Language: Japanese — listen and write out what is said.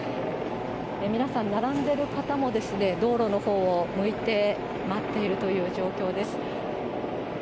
皆さん、並んでる方も道路のほうを向いて待っているという状況です。